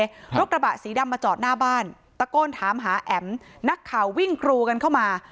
รถกระบะสีดำมาจอดหน้าบ้านตะโกนถามหาแอ๋มนักข่าววิ่งกรูกันเข้ามา